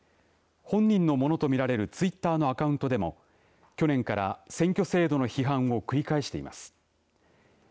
本人のものと見られるツイッターのアカウントでも去年から選挙制度の批判を繰り返しています。